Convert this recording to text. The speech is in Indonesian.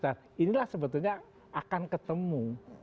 dan inilah sebetulnya akan ketemu